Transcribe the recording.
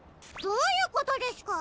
どういうことですか？